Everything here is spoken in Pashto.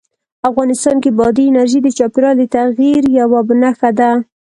افغانستان کې بادي انرژي د چاپېریال د تغیر یوه نښه ده.